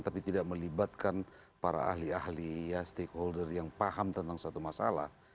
tapi tidak melibatkan para ahli ahli ya stakeholder yang paham tentang suatu masalah